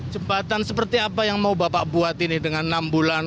jembatan seperti apa yang mau bapak buat ini dengan enam bulan